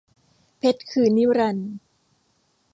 เพชรคือนิรันดร์